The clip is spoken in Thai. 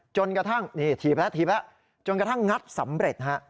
จนกระทั่งนี่ถีบแล้วถีบแล้วจนกระทั่งงัดสำเร็จฮะ